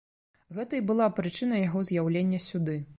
Гэта і была прычына яго з'яўлення сюды.